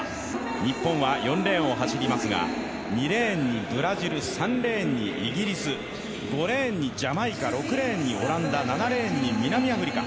日本は４レーンを走りますが２レーンにブラジル３レーンにイギリス５レーンにジャマイカ６レーンにオランダ７レーンに南アフリカ。